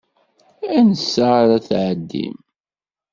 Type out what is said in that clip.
Ansa ara tɛeddim?